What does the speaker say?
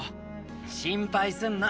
心配すんな